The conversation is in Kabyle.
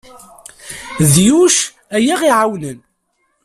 D Yuc ay aɣ-iɛawnen.